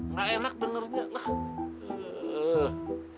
nggak enak dengernya lah